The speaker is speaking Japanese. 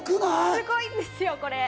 すごいんですよ。